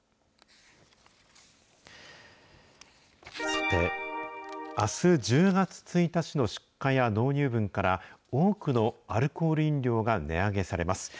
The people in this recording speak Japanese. さて、あす１０月１日の出荷や納入分から、多くのアルコール飲料が値上げされます。